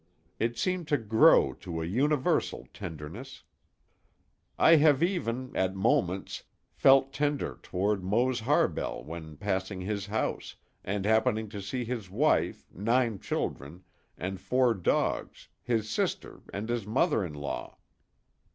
It seemed to grow to a universal tenderness. I have even, at moments, felt tender toward Mose Harbell when passing his house, and happening to see his wife, nine children, and four dogs, his sister and his mother in law.